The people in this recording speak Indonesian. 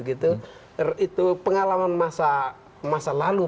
itu pengalaman masa lalu